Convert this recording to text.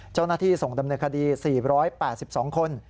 เจ้าหน้าที่ส่งดำเนินคดี๔๘๒คน